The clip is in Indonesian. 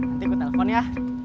nanti aku telpon ya